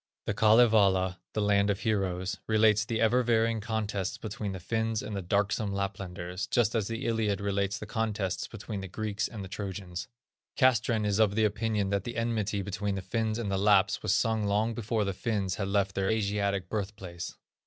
The Kalevala (the Land of Heroes) relates the ever varying contests between the Finns and the "darksome Laplanders", just as the Iliad relates the contests between the Greeks and the Trojans. Castrén is of the opinion that the enmity between the Finns and the Lapps was sung long before the Finns had left their Asiatic birth place.